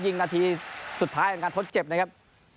ยิงนาทีสุดท้ายทดเจ็บนะครับ